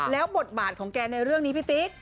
แล้วบทบาทของแกในเรื่องนี้พี่ติ๊ก